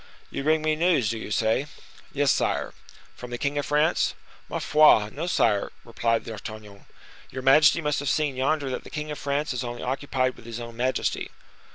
"You bring me news, do you say?" "Yes, sire." "From the king of France?" "Ma foi! no, sire," replied D'Artagnan. "Your majesty must have seen yonder that the king of France is only occupied with his own majesty."